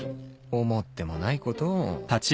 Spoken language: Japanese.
思ってもないことを